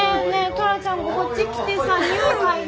トラちゃんこっち来てさにおい嗅いで。